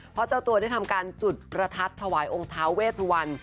เพราะเจ้าตัวได้ทำการจุดประทัดถวายองค์ท้าเวสวัน